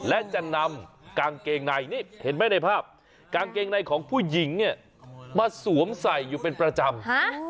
และจะนำกางเกงในนี่เห็นไหมในภาพกางเกงในของผู้หญิงเนี่ยมาสวมใส่อยู่เป็นประจำ